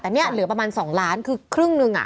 แต่เนี่ยเหลือประมาณ๒ล้านคือครึ่งหนึ่ง